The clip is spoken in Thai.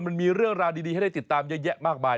มันมีเรื่องราวดีให้ได้ติดตามเยอะแยะมากมาย